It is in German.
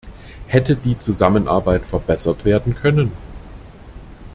Hätte die Zusammenarbeit verbessert werden können?